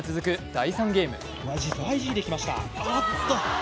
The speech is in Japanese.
第３ゲーム。